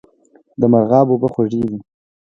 د مرغاب اوبه خوږې دي